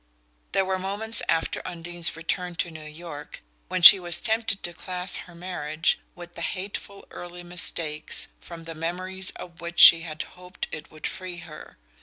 There were moments after Undine's return to New York when she was tempted to class her marriage with the hateful early mistakes from the memories of which she had hoped it would free her.